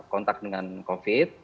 kontakt dengan covid